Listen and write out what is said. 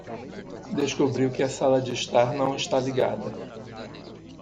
Descobriu que a sala de estar não está ligada